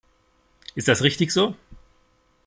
Ist das richtig so?